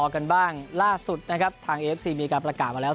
กันบ้างล่าสุดนะครับทางเอฟซีมีการประกาศมาแล้ว